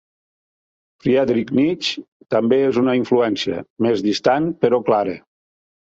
Friedrich Nietzsche també és una influència, més distant, però clara.